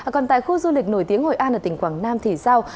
còn tại khu du lịch nổi tiếng hội an ở tỉnh quảng nam thì sao